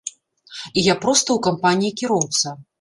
І я проста ў кампаніі кіроўца.